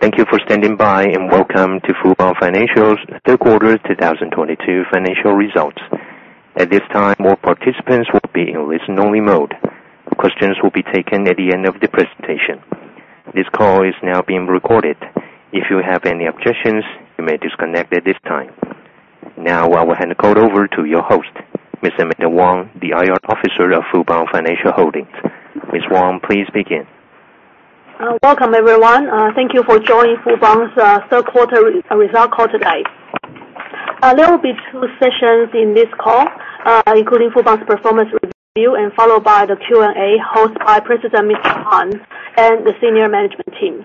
Thank you for standing by, welcome to Fubon Financial's third quarter 2022 financial results. At this time, all participants will be in listen only mode. Questions will be taken at the end of the presentation. This call is now being recorded. If you have any objections, you may disconnect at this time. Now I will hand the call over to your host, Ms. Amanda Wang, the IR Officer of Fubon Financial Holdings. Ms. Wang, please begin. Welcome everyone. Thank you for joining Fubon's third quarter result call today. There will be two sessions in this call, including Fubon's performance review followed by the Q&A, hosted by President Mr. Pan and the senior management team.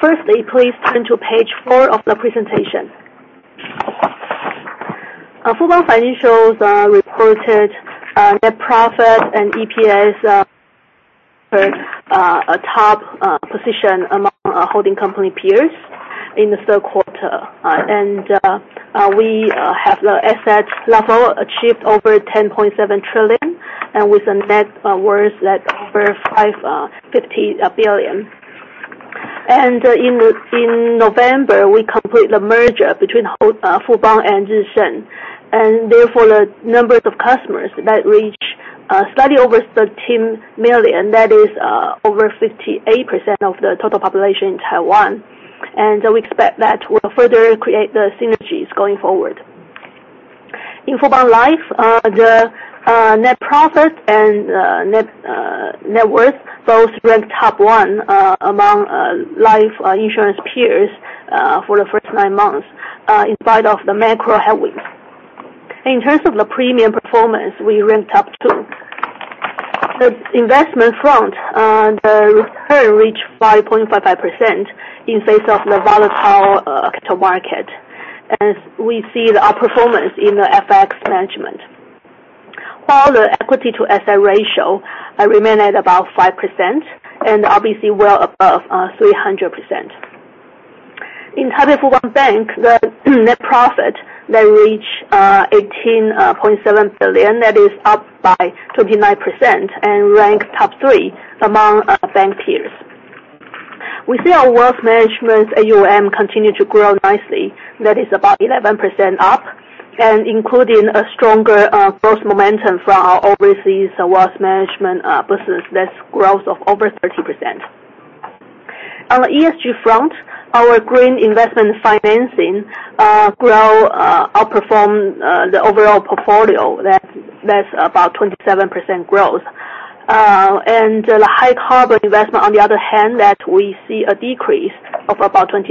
Firstly, please turn to page four of the presentation. Fubon Financial's reported net profit and EPS earned a top position among our holding company peers in the third quarter. We have the asset level achieved over 10.7 trillion, with a net worth that over 550 billion. In November, we complete the merger between Fubon and Jih Sun. Therefore, the number of customers that reach slightly over 13 million, that is over 58% of the total population in Taiwan. We expect that will further create the synergies going forward. In Fubon Life, the net profit and net worth both ranked top one among life insurance peers for the first nine months, in spite of the macro headwinds. In terms of the premium performance, we ranked top two. The investment front, the return reached 5.55% in face of the volatile capital market, we see our performance in the FX management. While the equity to asset ratio remain at about 5%, RBC well above 300%. In Taipei Fubon Bank, the net profit, that reached 18.7 billion. That is up by 29% and ranked top three among our bank peers. We see our wealth management AUM continue to grow nicely. That is about 11% up including a stronger growth momentum from our overseas wealth management business. That's growth of over 30%. On the ESG front, our green investment financing outperform the overall portfolio. That's about 27% growth. The high carbon investment, on the other hand, that we see a decrease of about 20%.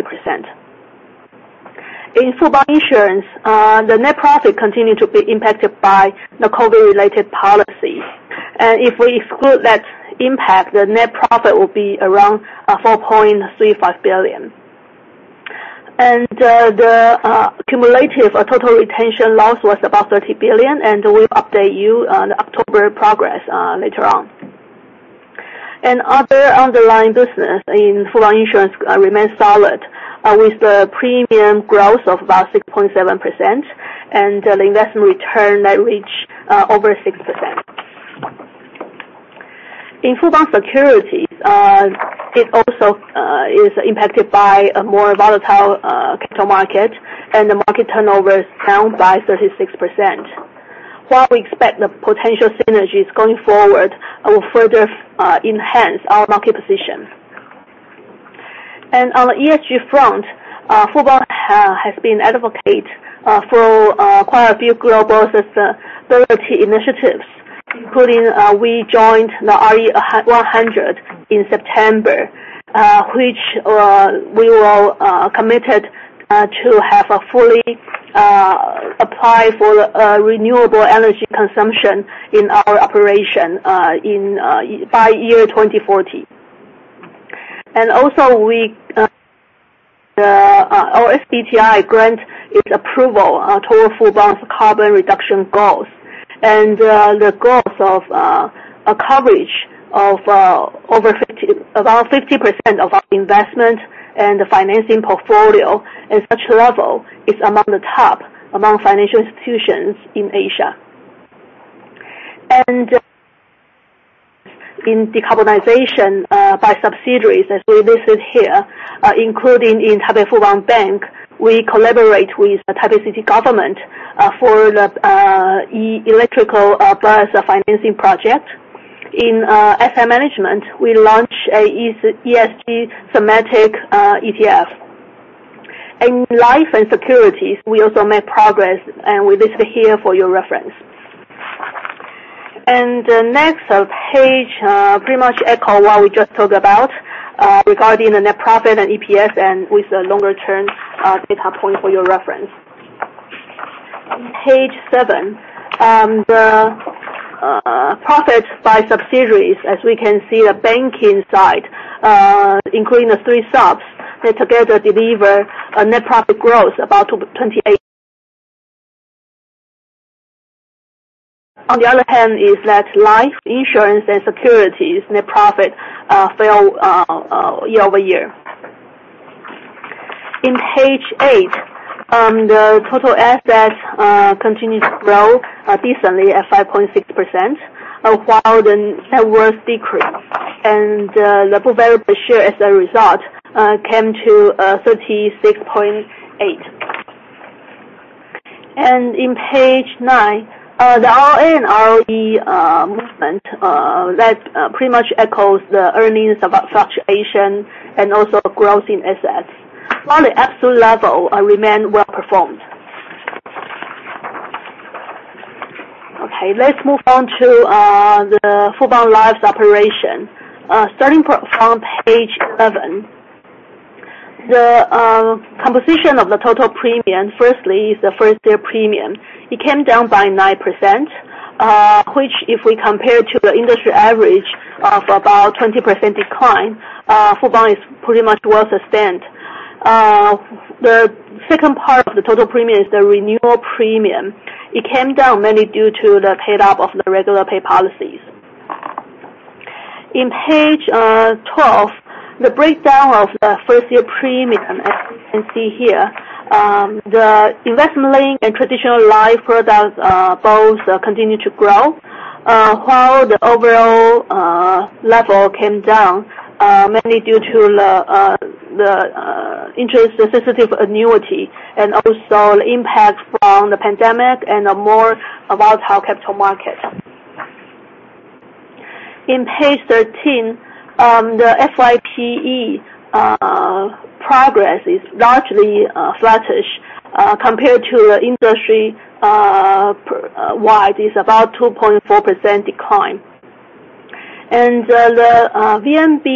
In Fubon Insurance, the net profit continued to be impacted by the COVID-related policy. If we exclude that impact, the net profit will be around 4.35 billion. The cumulative total retention loss was about 30 billion, we'll update you on the October progress later on. Other underlying business in Fubon Insurance remains solid, with the premium growth of about 6.7%, the investment return that reach over 6%. In Fubon Securities, it also is impacted by a more volatile capital market, the market turnover is down by 36%, while we expect the potential synergies going forward will further enhance our market position. On the ESG front, Fubon has been advocate for quite a few global sustainability initiatives, including we joined the RE100 in September, which we will committed to have a fully apply for renewable energy consumption in our operation by year 2040. Also, our SBTi grant its approval toward Fubon's carbon reduction goals, and the goals of a coverage of about 50% of our investment and financing portfolio. Such level is among the top among financial institutions in Asia. In decarbonization, by subsidiaries, as we listed here, including in Taipei Fubon Bank, we collaborate with the Taipei City Government for the electrical bus financing project. In asset management, we launch a ESG thematic ETF. In life and securities, we also make progress, and we listed here for your reference. Next page pretty much echo what we just talked about regarding the net profit and EPS, and with the longer-term data point for your reference. Page seven, the profit by subsidiaries. As we can see, the banking side, including the three subs, they together deliver a net profit growth about 28%. On the other hand, is that life insurance and securities net profit fell year-over-year. In page eight, the total assets continue to grow decently at 5.6%, while the net worth decreased, and the book value per share as a result, came to 36.8. In page nine, the ROA and ROE movement, that pretty much echoes the earnings of fluctuation and also growth in assets, while the absolute level remain well-performed. Let's move on to the Fubon Life's operation. Starting from page seven. The composition of the total premium, firstly, is the first year premium. It came down by 9%, which if we compare to the industry average of about 20% decline, Fubon is pretty much well sustained. The second part of the total premium is the renewal premium. It came down mainly due to the paid up of the regular pay policies. In page 12, the breakdown of the first year premium, as you can see here, the investment-linked and traditional life products both continue to grow, while the overall level came down, mainly due to the interest-sensitive annuity and also the impact from the pandemic and more volatile capital market. In page 13, the FYPE progress is largely flattish compared to the industry-wide, is about 2.4% decline. The VNB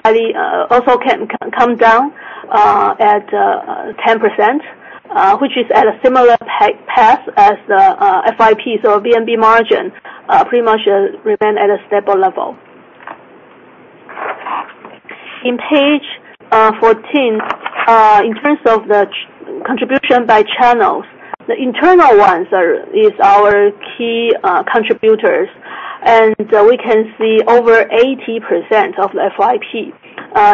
study also can come down at 10%, which is at a similar path as the FYPE. VNB margins pretty much remain at a stable level. In page 14, in terms of the contribution by channels, the internal ones is our key contributors, and we can see over 80% of FYPE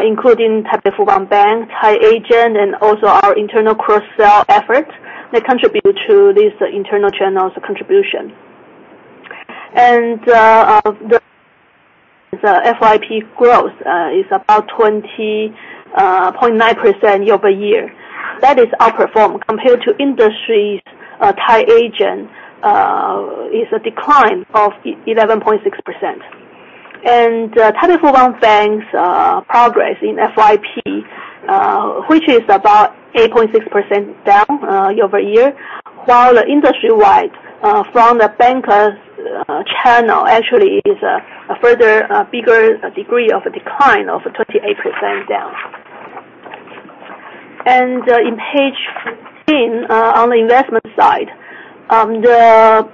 including Taipei Fubon Bank, Tied Agent, and also our internal cross-sell effort that contribute to this internal channels contribution. The FYPE growth is about 20.9% year-over-year. That is outperforming compared to industry's Tied Agent, is a decline of 11.6%. Taipei Fubon Bank's progress in FYPE which is about 8.6% down year-over-year, while industry-wide from the banker's channel actually is a further bigger degree of a decline of 28% down. In page 15, on the investment side, the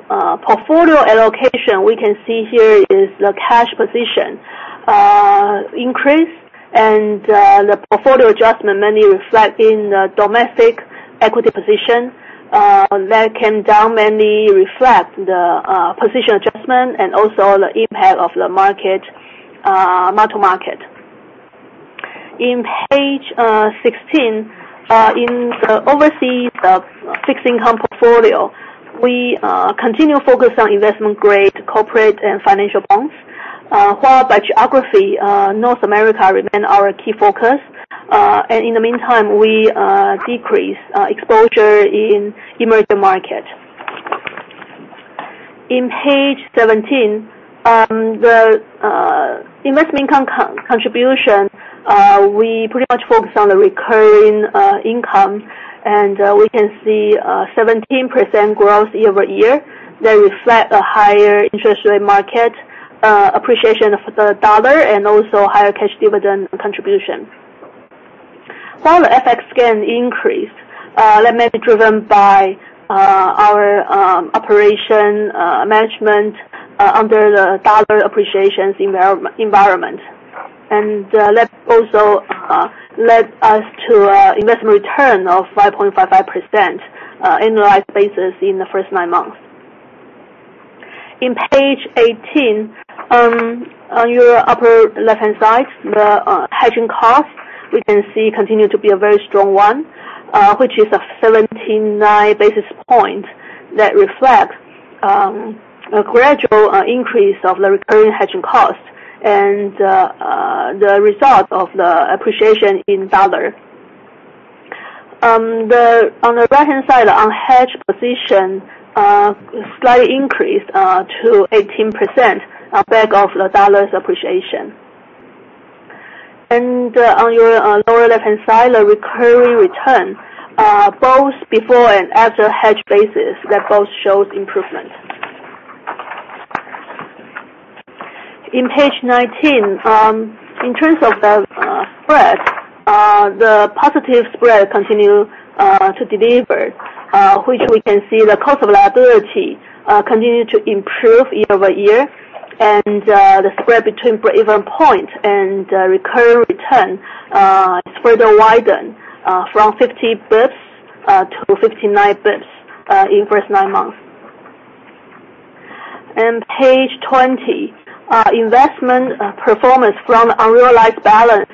portfolio allocation we can see here is the cash position increased and the portfolio adjustment mainly reflect in the domestic equity position that came down, mainly reflect the position adjustment and also the impact of the mark-to-market. In page 16, in the overseas fixed income portfolio, we continue to focus on investment-grade corporate and financial bonds, while by geography, North America remain our key focus. In the meantime, we decrease exposure in emerging market. In page 17, the investment income contribution, we pretty much focus on the recurring income, and we can see a 17% growth year-over-year that reflect a higher interest rate market, appreciation of the $, and also higher cash dividend contribution. While the FX gain increased, that may be driven by our operation management under the $ appreciation environment. That also led us to investment return of 5.55% in the last basis in the first nine months. In page 18, on your upper left-hand side, the hedging cost, we can see continue to be a very strong one, which is a 17.9 basis point that reflects a gradual increase of the recurring hedging cost and the result of the appreciation in $. On the right-hand side, unhedged position slightly increased to 18% back of the $'s appreciation. On your lower left-hand side, the recurring return, both before and after hedge basis, that both shows improvement. In page 19, in terms of the spread, the positive spread continue to deliver, which we can see the cost of liability continue to improve year-over-year. The spread between breakeven point and recurring return spread widen from 50 basis points to 59 basis points in first nine months. Page 20, investment performance from unrealized balance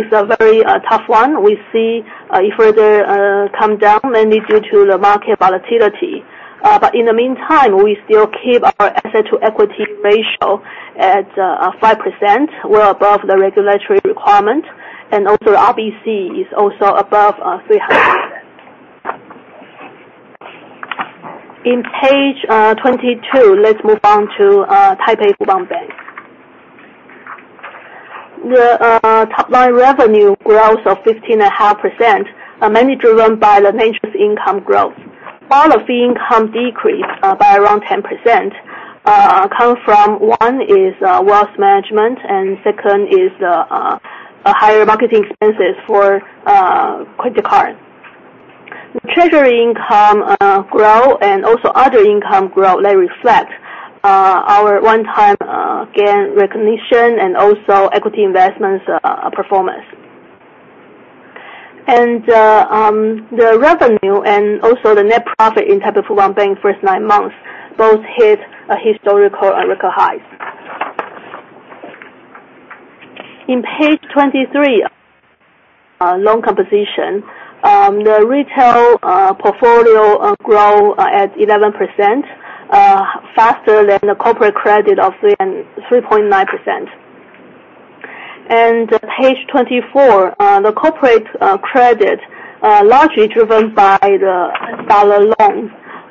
is a very tough one. We see it further come down, mainly due to the market volatility. In the meantime, we still keep our asset to equity ratio at 5%, well above the regulatory requirement, and also the RBC is also above 300. In page 22, let's move on to Taipei Fubon Bank. The top-line revenue growth of 15.5%, mainly driven by the net interest income growth. Part of the income decrease by around 10%, come from one, is wealth management, and second is the higher marketing expenses for credit card. Treasury income growth and also other income growth that reflects our one-time gain recognition and also equity investments performance. The revenue and also the net profit in Taipei Fubon Bank first nine months both hit a historical record high. In page 23, loan composition. The retail portfolio grew at 11%, faster than the corporate credit of 3.9%. Page 24, the corporate credit largely driven by the $ loans.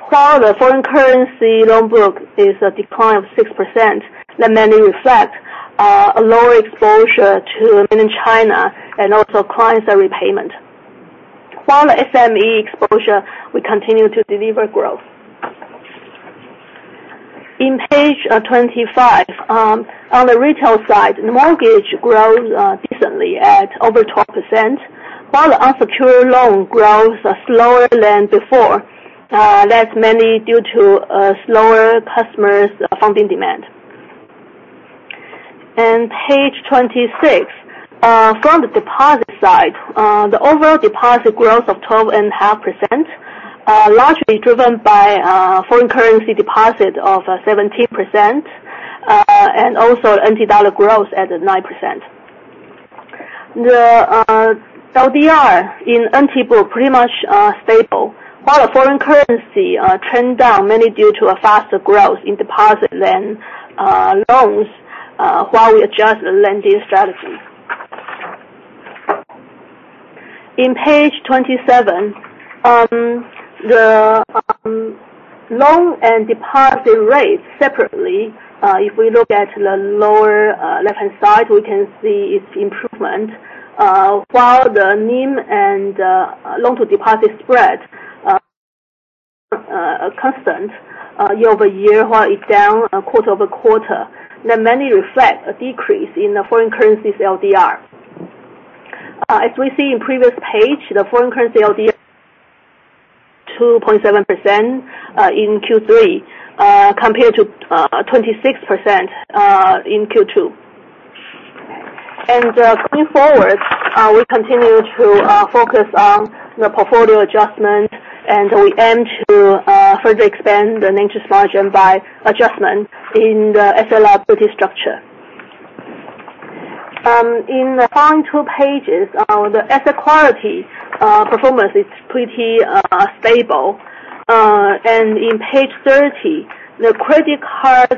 While the foreign currency loan book is a decline of 6%, that mainly reflects a lower exposure to mainland China and also clients are repayment. While the SME exposure, we continue to deliver growth. In page 25, on the retail side, the mortgage grows decently at over 12%, while the unsecured loan grows slower than before. That's mainly due to a slower customers funding demand. Page 26, from the deposit side, the overall deposit growth of 12.5%, largely driven by foreign currency deposit of 17%, and also NT dollar growth at 9%. The LDR in NT book, pretty much stable, while the foreign currency trend down mainly due to a faster growth in deposit than loans, while we adjust the lending strategy. In page 27, the loan and deposit rates separately. If we look at the lower left-hand side, we can see its improvement, while the NIM and loan-to-deposit spread are constant year-over-year, while it's down quarter-over-quarter. That mainly reflects a decrease in the foreign currency's LDR. As we see in previous page, the foreign currency LDR 2.7% in Q3, compared to 26% in Q2. Going forward, we continue to focus on the portfolio adjustment, we aim to further expand the net interest margin by adjustment in the SLR ability structure. In the following two pages, the asset quality performance is pretty stable. In page 30, the credit card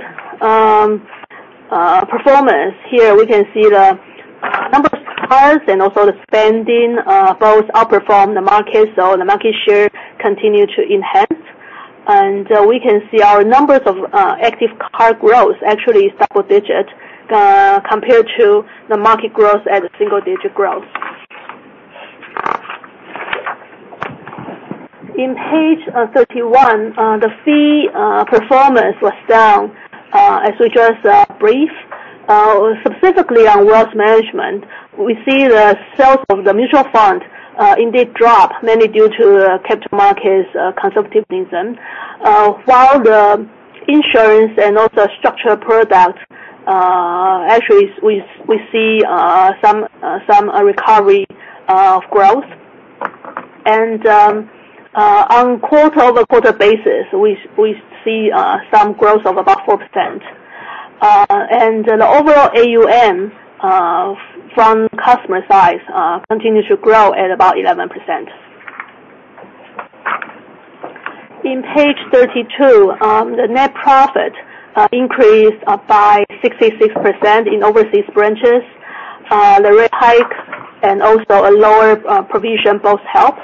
performance. Here we can see the number of cards and also the spending both outperform the market, so the market share continue to enhance. We can see our numbers of active card growth actually is double-digit, compared to the market growth at a single-digit growth. In page 31, the fee performance was down, as we just briefed. Specifically on wealth management, we see the sales of the mutual fund indeed drop, mainly due to capital markets conservativism. The insurance and also structured products, actually, we see some recovery of growth. On quarter-over-quarter basis, we see some growth of about 4%. The overall AUM from customer size continues to grow at about 11%. In page 32, the net profit increased by 66% in overseas branches. The rate hike and also a lower provision both help.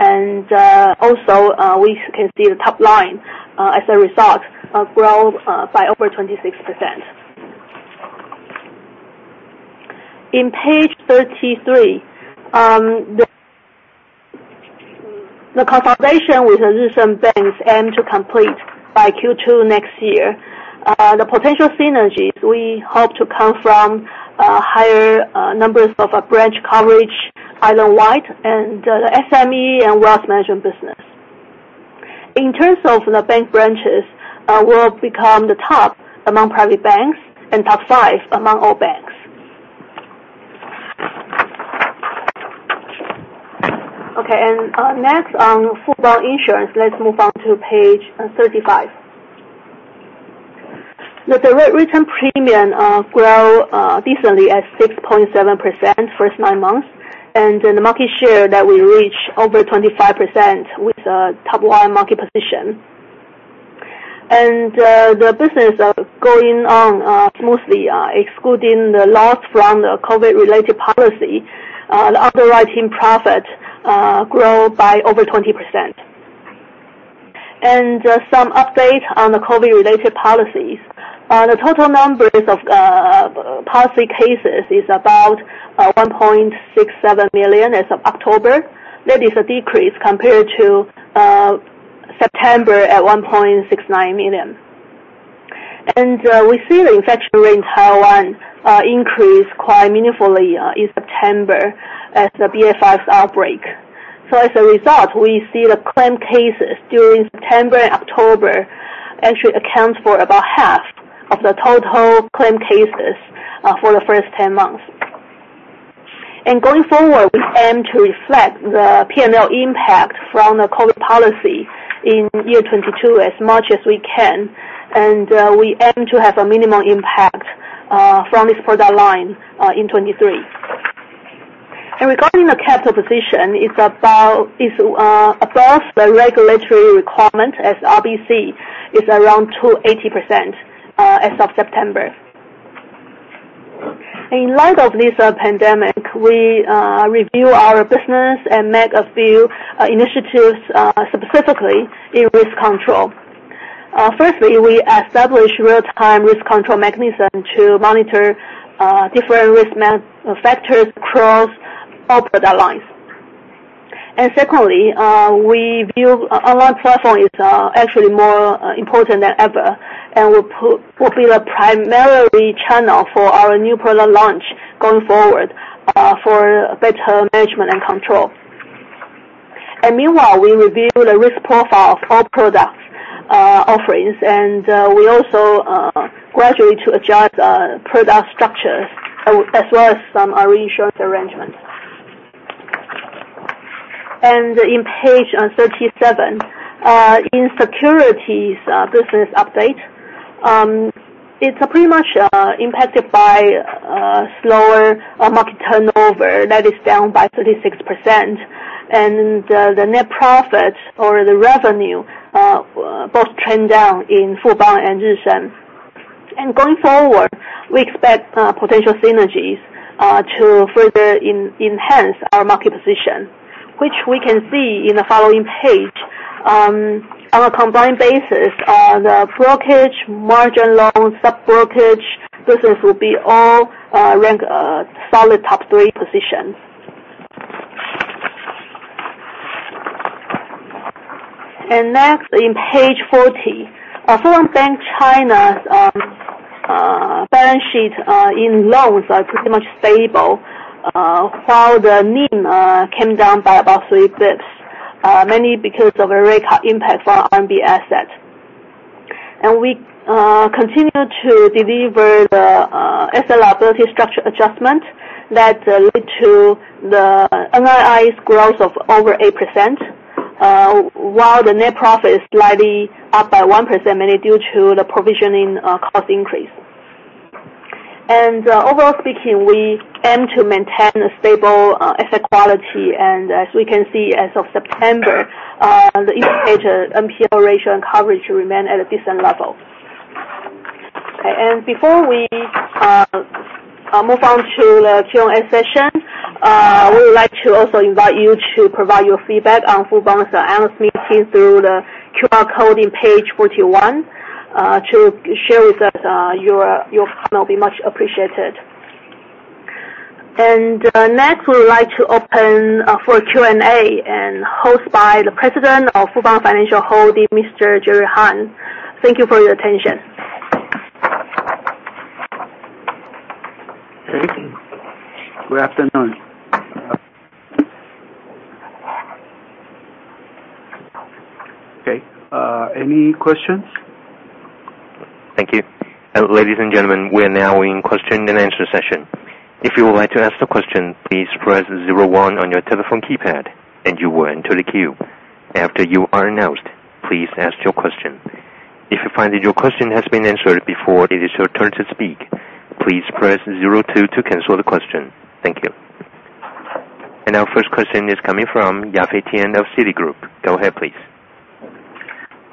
Also, we can see the top line as a result of growth by over 26%. In page 33, the consolidation with the recent banks aim to complete by Q2 next year. The potential synergies we hope to come from higher numbers of branch coverage island-wide and the SME and wealth management business. In terms of the bank branches, we'll become the top among private banks and top five among all banks. Okay. Next on Fubon Insurance, let's move on to page 35. The return premium grew decently at 6.7% first nine months, and the market share that we reached, over 25%, with a top line market position. The business is going on smoothly. Excluding the loss from the COVID-related policy, the underwriting profit grew by over 20%. Some update on the COVID-related policies. The total numbers of policy cases is about 1.67 million as of October. That is a decrease compared to September at 1.69 million. We see the infection rate in Taiwan increased quite meaningfully in September as the BA.5 outbreak. As a result, we see the claim cases during September and October actually account for about half of the total claim cases for the first 10 months. Going forward, we aim to reflect the P&L impact from the COVID policy in year 2022 as much as we can. We aim to have a minimal impact from this product line in 2023. Regarding the capital position, it's above the regulatory requirement as RBC is around 280% as of September. In light of this pandemic, we review our business and made a few initiatives, specifically in risk control. Firstly, we established real-time risk control mechanism to monitor different risk factors across all product lines. Secondly, we view online platform is actually more important than ever and will be the primary channel for our new product launch going forward for better management and control. Meanwhile, we review the risk profile of all product offerings, we also gradually to adjust product structures as well as some reinsurance arrangements. In page 37, in securities business update, it's pretty much impacted by slower market turnover that is down by 36%, and the net profit or the revenue both trend down in Fubon and Jih Sun. Going forward, we expect potential synergies to further enhance our market position, which we can see in the following page. Our combined basis, the brokerage, margin loan, sub-brokerage business will be all rank solid top three positions. Next in page 40. Fubon Bank (China)'s balance sheet in loans are pretty much stable, while the NIM came down by about three basis points, mainly because of a rate cut impact for RMB asset. We continue to deliver the asset liability structure adjustment that lead to the NIR's growth of over 8%, while the net profit is slightly up by 1%, mainly due to the provisioning cost increase. Overall speaking, we aim to maintain a stable asset quality, as we can see as of September, the indicator NPL ratio and coverage remain at a decent level. Before we move on to the Q&A session, we would like to also invite you to provide your feedback on Fubon's analyst meeting through the QR code in page 41, to share with us your comment will be much appreciated. Next, we would like to open for Q&A and host by the President of Fubon Financial Holding, Mr. Jerry Harn. Thank you for your attention. Thank you. Good afternoon. Okay, any questions? Thank you. Ladies and gentlemen, we are now in question and answer session. If you would like to ask the question, please press zero one on your telephone keypad and you will enter the queue. After you are announced, please ask your question. If you find that your question has been answered before it is your turn to speak, please press zero two to cancel the question. Thank you. Our first question is coming from Yafei Tian of Citigroup. Go ahead, please.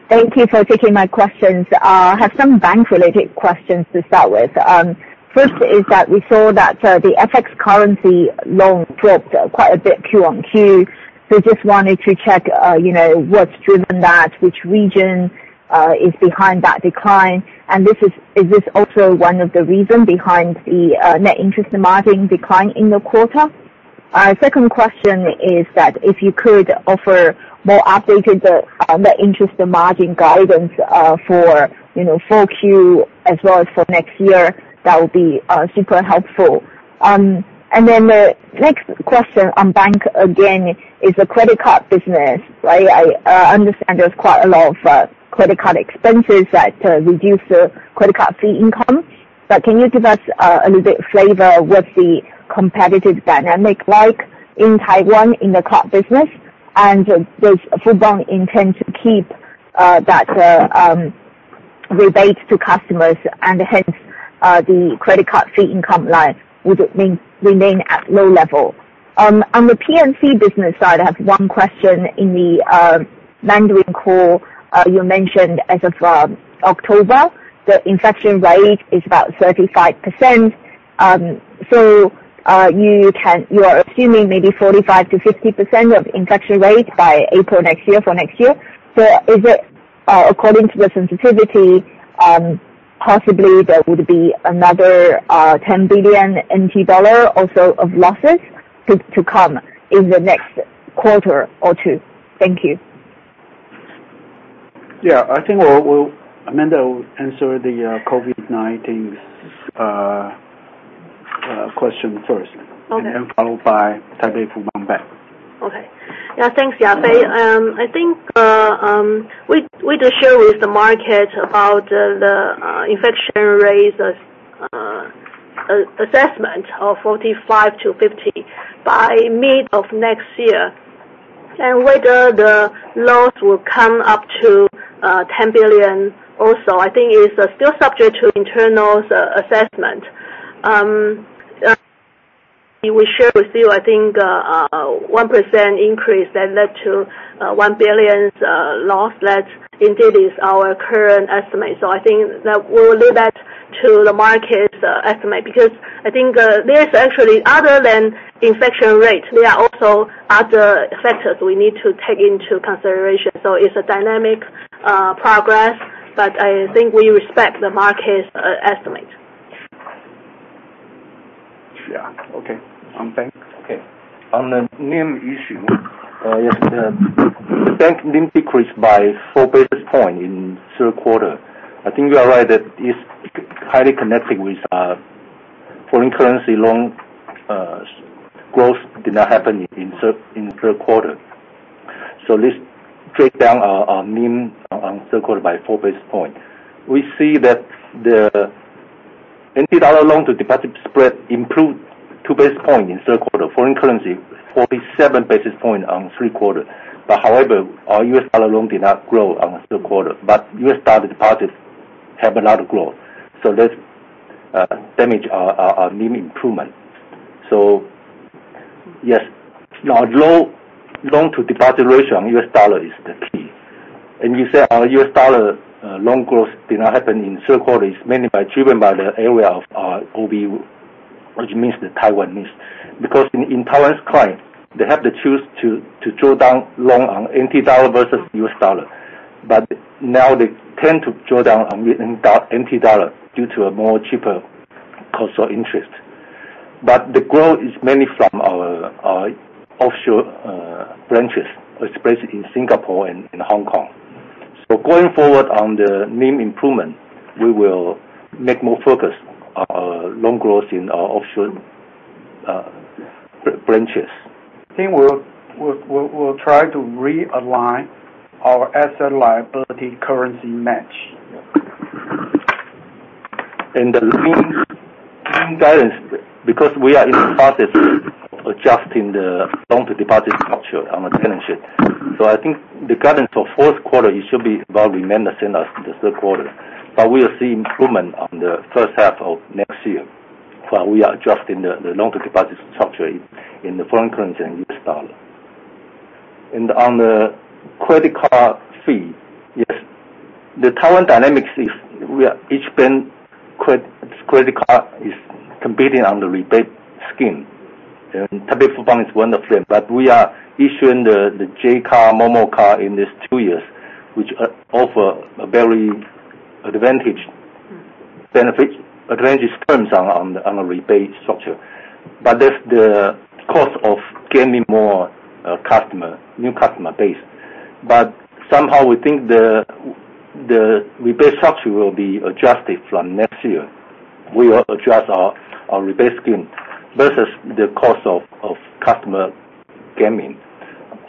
Thank you for taking my questions. I have some bank-related questions to start with. First is that we saw that the FX currency loan dropped quite a bit Q on Q, so just wanted to check what's driven that, which region is behind that decline, and is this also one of the reason behind the net interest margin decline in the quarter? Second question is that if you could offer more updated net interest margin guidance for Q4 as well as for next year, that would be super helpful. The next question on bank again, is the credit card business. I understand there's quite a lot of credit card expenses that reduce the credit card fee income. Can you give us a little bit of flavor of what the competitive dynamic is like in Taiwan in the card business? Does Fubon intend to keep that rebate to customers, and hence the credit card fee income line, would it remain at low level? On the P&C business side, I have one question. In the Mandarin call, you mentioned as of October, the infection rate is about 35%, so you are assuming maybe 45%-50% of infection rate by April next year. Is it, according to the sensitivity, possibly there would be another 10 billion NT dollar or so of losses to come in the next quarter or two? Thank you. I think Amanda will answer the COVID-19 question first. Okay. Followed by Taipei Fubon Bank. Okay. Thanks, Yafei. I think we did share with the market about the infection rate assessment of 45%-50% by mid of next year, and whether the loss will come up to 10 billion or so. I think it's still subject to internal assessment. We share with you, I think, 1% increase that led to 1 billion loss. That indeed is our current estimate. I think that we'll leave that to the market estimate, because I think other than infection rate, there are also other factors we need to take into consideration. It's a dynamic progress, but I think we respect the market estimate. Okay. Thanks. Okay. On the NIM issue, the bank NIM decreased by four basis points in the third quarter. I think you are right that it's highly connected with foreign currency loan growth did not happen in the third quarter. This dragged down our NIM on the third quarter by four basis points. We see that the NT dollar loan to deposit spread improved two basis points in the third quarter. Foreign currency, 47 basis points on the third quarter. Our US dollar loans did not grow in the third quarter, but US dollar deposits have a lot of growth. This damaged our NIM improvement. Yes, our loan to deposit ratio on US dollar is the key. You said our US dollar loan growth did not happen in the third quarter, it's mainly driven by the area of OB, which means the Taiwanese. In Taiwan's client, they have the choice to draw down loan on NT dollar versus US dollar. Now they tend to draw down on NT dollar due to a more cheaper cost of interest. The growth is mainly from our offshore branches, especially in Singapore and Hong Kong. Going forward on the NIM improvement, we will make more focus on loan growth in our offshore branches. I think we'll try to realign our asset liability currency match. The NIM guidance, because we are in the process of adjusting the loan-to-deposit structure on the tenorship. I think the guidance for the fourth quarter, it should be about remaining the same as the third quarter. We are seeing improvement on the first half of next year, while we are adjusting the loan-to-deposit structure in the foreign currency and US dollar. On the credit card fee, yes. The Taiwan dynamics is each bank's credit card is competing on the rebate scheme. Taipei Fubon is one of them. We are issuing the J Card, momo Card in these two years, which offer very advantageous terms on the rebate structure. That's the cost of gaining more new customer base. Somehow we think the rebate structure will be adjusted from next year. We will adjust our rebate scheme versus the cost of customer gaining.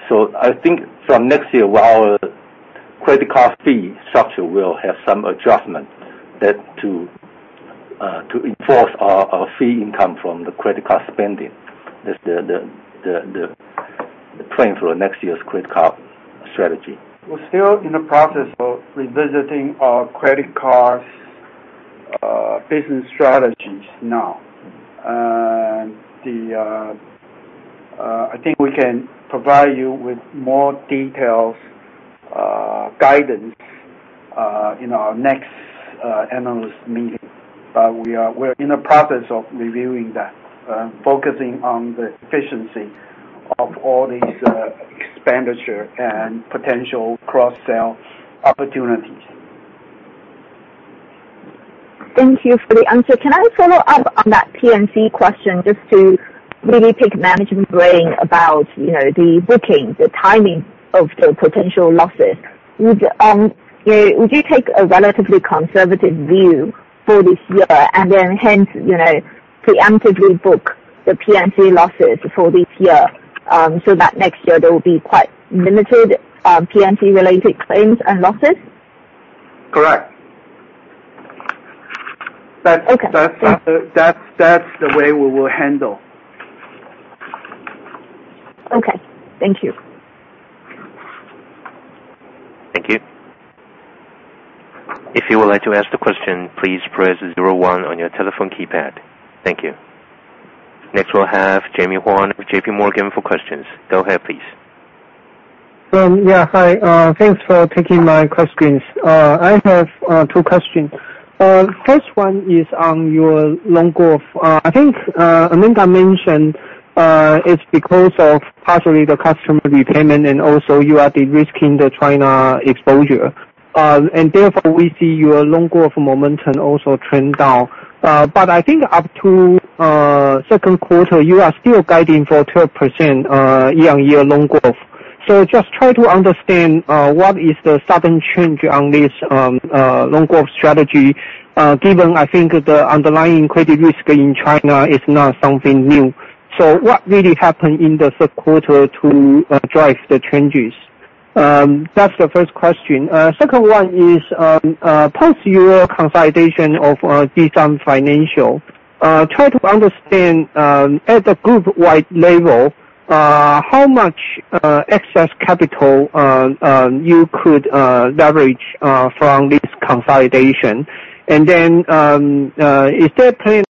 I think from next year, our credit card fee structure will have some adjustments to enforce our fee income from the credit card spending. That's the plan for next year's credit card strategy. We're still in the process of revisiting our credit card business strategies now. I think we can provide you with more detailed guidance in our next analyst meeting. We're in the process of reviewing that, focusing on the efficiency of all these expenditure and potential cross-sell opportunities. Thank you for the answer. Can I follow up on that P&C question, just to really pick management's brain about the bookings, the timing of the potential losses? Would you take a relatively conservative view for this year, and hence, preemptively book the P&C losses for this year, so that next year there will be quite limited P&C-related claims and losses? Correct. That's the way we will handle. Okay. Thank you. Thank you. If you would like to ask the question, please press zero one on your telephone keypad. Thank you. Next, we'll have Jaime Huang with JP Morgan for questions. Go ahead, please. Hi. Thanks for taking my questions. I have 2 questions. First one is on your loan growth. I think Amanda mentioned it's because of partially the customer repayment and also you are de-risking the China exposure. Therefore, we see your loan growth momentum also trend down. Up to second quarter, you are still guiding for 12% year-on-year loan growth. Just try to understand, what is the sudden change on this loan growth strategy, given I think the underlying credit risk in China is not something new. What really happened in the third quarter to drive the changes? That's the first question. Second one is, post your consolidation of Fubon Financial, try to understand, at the group-wide level, how much excess capital you could leverage from this consolidation. Is there a plan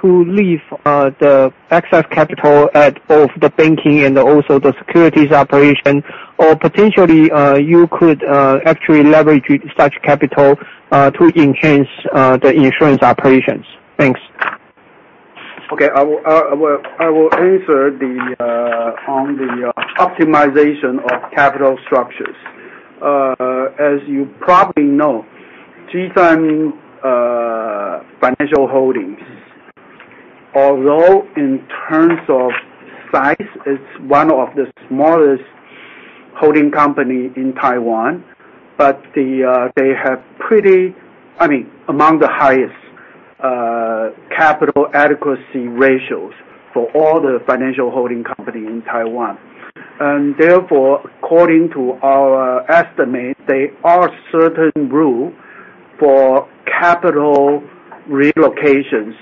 to leave the excess capital at both the banking and also the securities operation? Potentially, you could actually leverage such capital to enhance the insurance operations. Thanks. Okay. I will answer on the optimization of capital structures. As you probably know, Fubon Financial Holdings, although in terms of size, it's 1 of the smallest holding company in Taiwan, but they have among the highest capital adequacy ratios for all the financial holding company in Taiwan. Therefore, according to our estimate, there are certain rule for capital relocations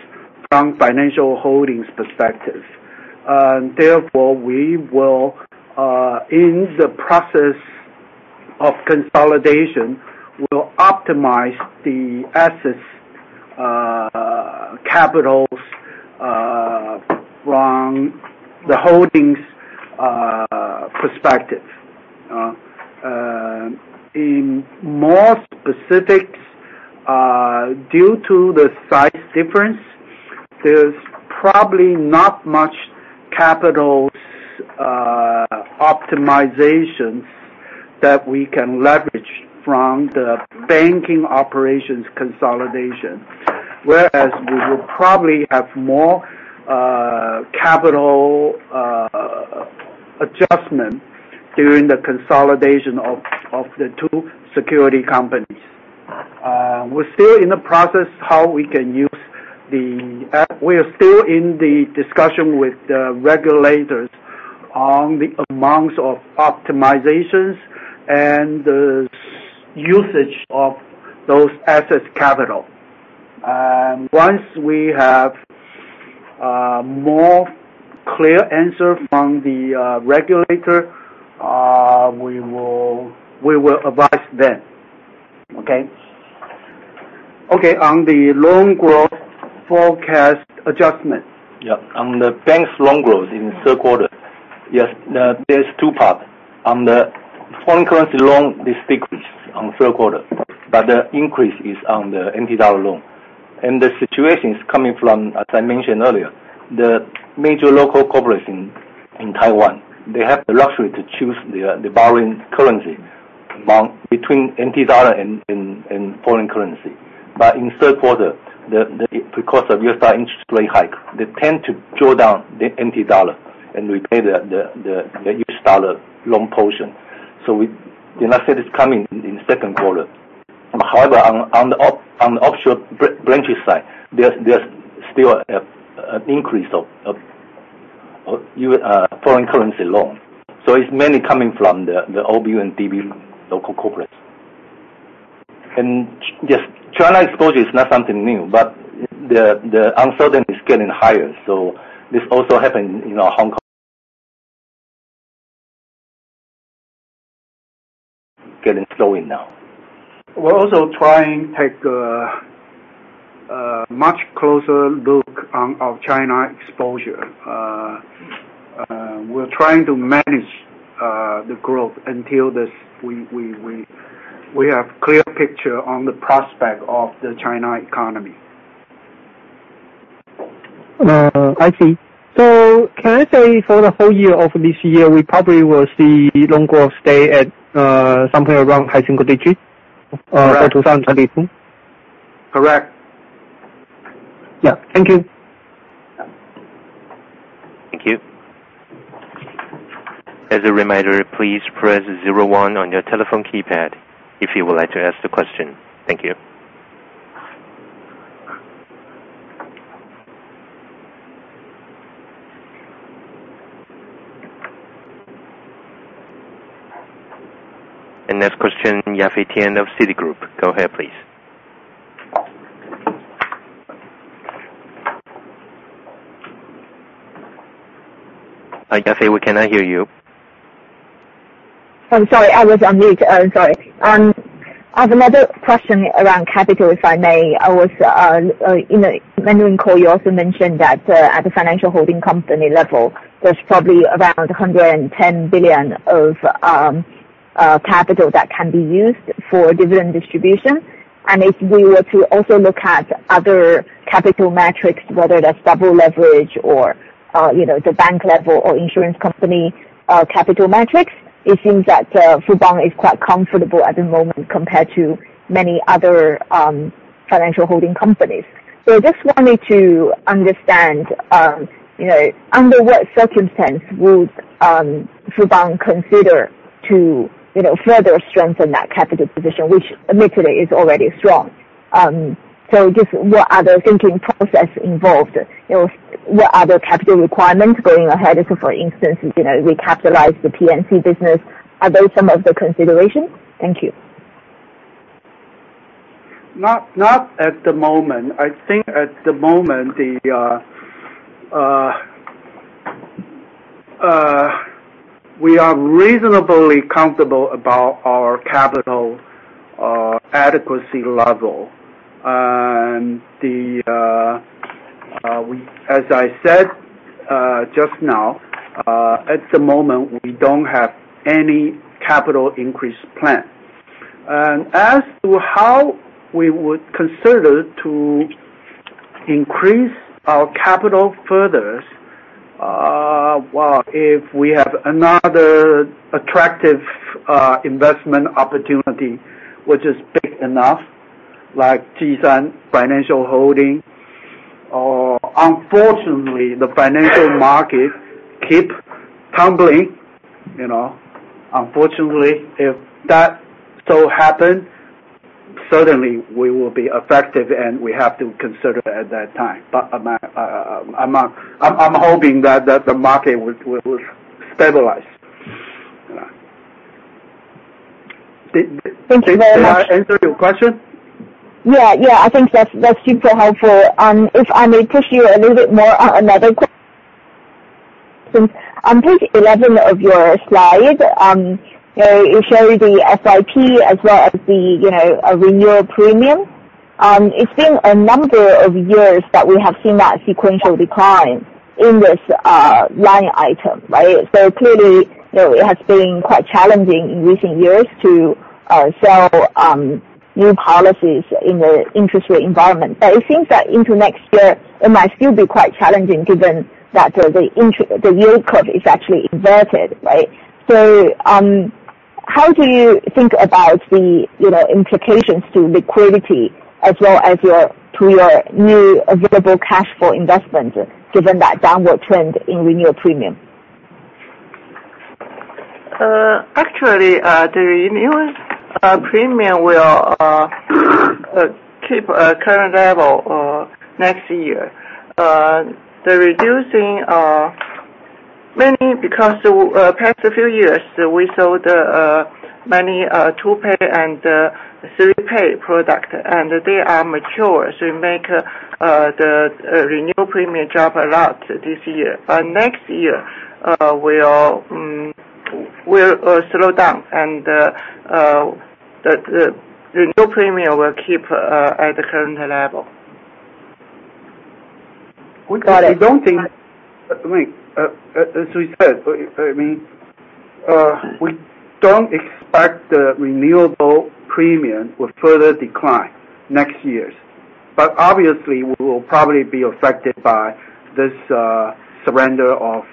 from financial holdings perspective. Therefore, in the process of consolidation, we'll optimize the assets capitals from the holdings perspective. In more specifics, due to the size difference, there's probably not much capital optimization that we can leverage from the banking operations consolidation. Whereas we will probably have more capital adjustment during the consolidation of the 2 security companies. We're still in the process how we can use the capital. We are still in the discussion with the regulators on the amounts of optimizations and the usage of those assets capital. Once we have a more clear answer from the regulator, we will advise then. Okay? Okay, on the loan growth forecast adjustment. Yeah. On the bank's loan growth in the third quarter, there's two parts. On the foreign currency loan, this decrease on third quarter, the increase is on the NT dollar loan. The situation is coming from, as I mentioned earlier, the major local corporations in Taiwan, they have the luxury to choose the borrowing currency between NT dollar and foreign currency. In third quarter, because of U.S. interest rate hike, they tend to draw down the NT dollar and repay the US dollar loan portion. As I said, it's coming in second quarter. However, on the offshore branches side, there's still an increase of foreign currency loan. It's mainly coming from the OB and DB local corporates. Just, China exposure is not something new, the uncertainty is getting higher. This also happened in Hong Kong, getting slow now. We're also trying to take a much closer look on our China exposure. We're trying to manage the growth until we have clear picture on the prospect of the China economy. I see. Can I say for the whole year of this year, we probably will see loan growth stay at somewhere around high single digits? 2,000 at least? Correct. Yeah. Thank you. Thank you. As a reminder, please press 01 on your telephone keypad if you would like to ask the question. Thank you. Next question, Yafei Tian of Citigroup. Go ahead, please. Yafei, we cannot hear you. Sorry. I was on mute. I'm sorry. I have another question around capital, if I may. In the manual call, you also mentioned that at the financial holding company level, there's probably around 110 billion of capital that can be used for dividend distribution. If we were to also look at other capital metrics, whether that's double leverage or the bank level or insurance company capital metrics, it seems that Fubon is quite comfortable at the moment compared to many other financial holding companies. I just wanted to understand, under what circumstance would Fubon consider to further strengthen that capital position, which admittedly is already strong? Just what are the thinking process involved? What are the capital requirements going ahead if, for instance, we capitalize the P&C business? Are those some of the considerations? Thank you. Not at the moment. I think at the moment, we are reasonably comfortable about our capital adequacy level. As I said just now, at the moment, we don't have any capital increase plan. As to how we would consider to increase our capital further, well, if we have another attractive investment opportunity which is big enough, like Jih Sun Financial Holding. Unfortunately, the financial market keep tumbling. Unfortunately, if that so happen, certainly we will be affected, and we have to consider at that time. I'm hoping that the market will stabilize. Thank you very much. Did I answer your question? Yeah. I think that's super helpful. If I may push you a little bit more on another question. On page 11 of your slide, it show the SIP as well as the renewal premium. It's been a number of years that we have seen that sequential decline in this line item, right? Clearly, it has been quite challenging in recent years to sell new policies in the interest rate environment. It seems that into next year, it might still be quite challenging given that the yield curve is actually inverted, right? How do you think about the implications to liquidity as well as to your new available cash for investments given that downward trend in renewal premium? Actually, the renewal premium will keep current level next year. The reducing are mainly because past few years, we sold many two-pay and three-pay product, and they are mature, it make the renewal premium drop a lot this year. Next year, will slow down and the renewal premium will keep at the current level. Got it. As we said, we don't expect the renewable premium will further decline next year. Obviously, we will probably be affected by this surrender of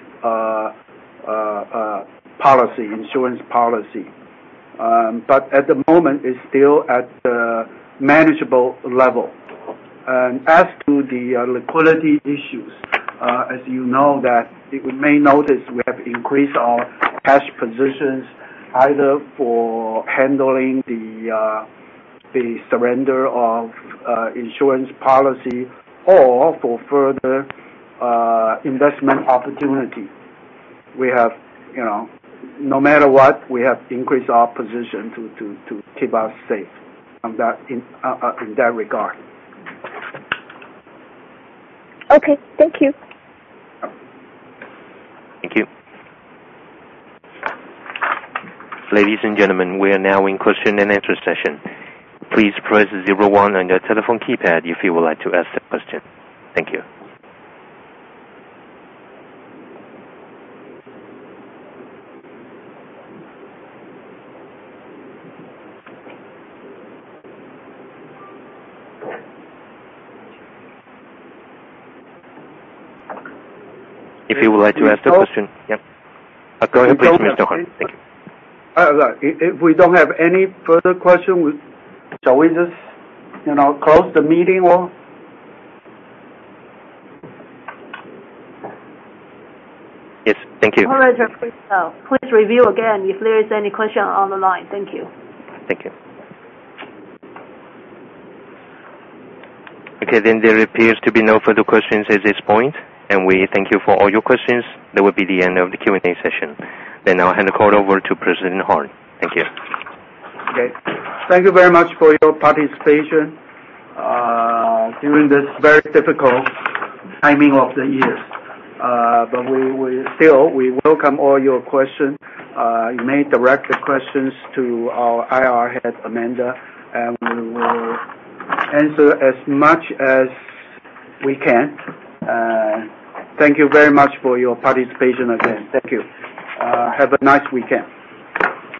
insurance policy. At the moment, it's still at a manageable level. As to the liquidity issues, as you know, that you may notice we have increased our cash positions either for handling the surrender of insurance policy or for further investment opportunity. No matter what, we have increased our position to keep us safe in that regard. Okay. Thank you. Thank you. Ladies and gentlemen, we are now in question and answer session. Please press 01 on your telephone keypad if you would like to ask a question. Thank you. If you would like to ask a question. Yep. Go ahead please, Mr. Harn. Thank you. If we don't have any further question, shall we just close the meeting or? Yes. Thank you. Please review again if there is any question on the line. Thank you. Thank you. Okay, there appears to be no further questions at this point, We thank you for all your questions. That will be the end of the Q&A session. I'll hand the call over to President Harn. Thank you. Okay. Thank you very much for your participation during this very difficult timing of the year. Still, we welcome all your question. You may direct the questions to our IR head, Amanda, We will answer as much as we can. Thank you very much for your participation again. Thank you. Have a nice weekend.